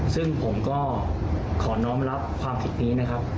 ซึ่งผมก็ขอน้องรับความผิดนี้นะครับ